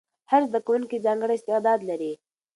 هر زده کوونکی ځانګړی استعداد لري.